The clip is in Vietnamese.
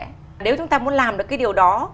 nếu chúng ta muốn làm được cái điều đó